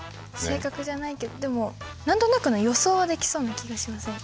正確じゃないけどでも何となくの予想はできそうな気がしませんか？